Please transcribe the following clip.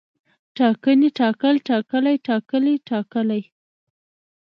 ټاکنې، ټاکل، ټاکلی، ټاکلي، ټاکلې